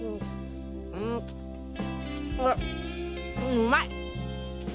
うまい。